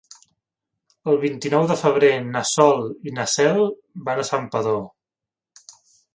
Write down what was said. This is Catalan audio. El vint-i-nou de febrer na Sol i na Cel van a Santpedor.